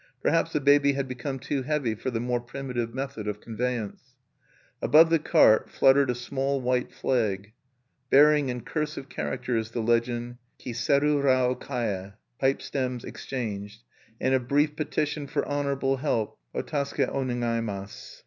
Perhaps the baby had become too heavy for the more primitive method of conveyance. Above the cart fluttered a small white flag, bearing in cursive characters the legend Ki seru rao kae (pipe stems exchanged), and a brief petition for "honorable help," O tasuke wo negaimasu.